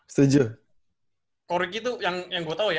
shikoh riki tuh yang gue tau ya